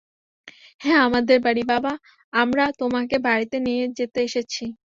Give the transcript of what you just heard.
হ্যাঁ, আমাদের বাড়ি, বাবা, আমরা তোমাকে বাড়িতে নিয়ে যেতে এসেছি।